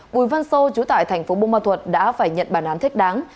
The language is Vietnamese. bùi văn sô chú tại thành phố bông ma thuật đã phải nhận bàn án thích đáng